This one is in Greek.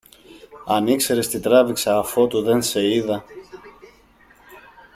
Αν ήξερες τι τράβηξα αφότου δε σε είδα!